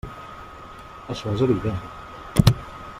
Això és evident.